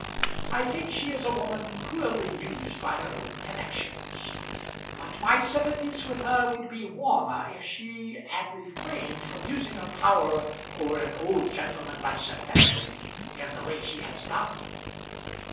I think she is a woman cruelly used by her own connections; but my sympathies with her would be warmer if she had refrained from using her power over an old gentleman like Sir Peregrine, in the way she has done."